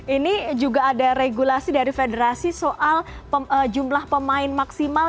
ini juga ada regulasi dari federasi soal jumlah pemain maksimal